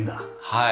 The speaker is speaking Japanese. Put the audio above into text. はい。